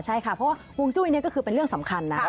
ใช่ค่ะเพราะว่าฮวงจุ้ยนี่ก็คือเป็นเรื่องสำคัญนะ